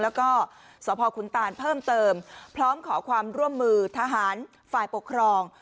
แล้วก็สพคุณตานเพิ่มเติมพร้อมขอความร่วมมือทหารฝ่ายปกครอง